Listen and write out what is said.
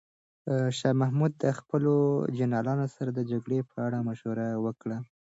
شاه محمود د خپلو جنرالانو سره د جګړې په اړه مشوره وکړه.